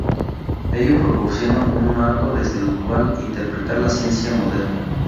Ello proporciona un marco desde el cual interpretar la ciencia moderna.